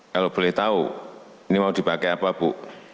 kalau boleh tahu ini mau dipakai apa bu